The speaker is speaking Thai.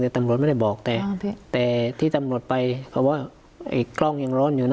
แต่ตำรวจไม่ได้บอกแต่ที่ตำรวจไปเขาว่าไอ้กล้องยังร้อนอยู่นะ